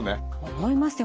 思いますよ。